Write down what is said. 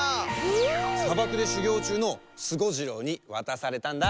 さばくでしゅぎょうちゅうのスゴジロウにわたされたんだ！